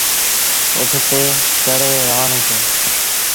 اُٺ تي چڙهي روآݩو ٿيٚو۔